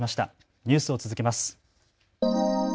ニュースを続けます。